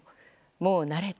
もう慣れた。